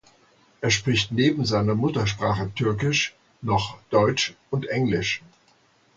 Er spricht neben seiner Muttersprache Türkisch noch Deutsch und Englisch.